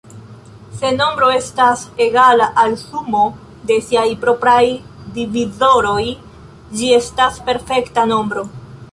Se nombro estas egala al sumo de siaj propraj divizoroj, ĝi estas perfekta nombro.